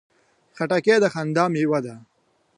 خټکی د خندا مېوه ده.